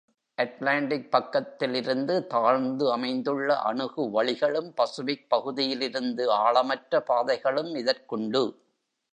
Atlantic பக்கத்தில் இருந்து தாழ்ந்து அமைந்துள்ள அணுகு வழிகளும், பசிபிக் பகுதியிலிருந்து ஆழமற்ற பாதைகளும் இதற்குண்டு.